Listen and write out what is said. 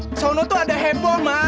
di sana tuh ada heboh mak